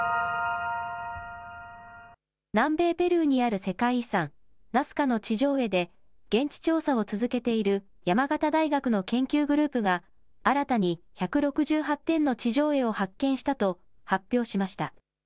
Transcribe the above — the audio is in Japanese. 南米ペルーにある世界遺産、ナスカの地上絵で現地調査を続けている、山形大学の研究グループが、新たに１６８点の地上絵を発見したと発表しました。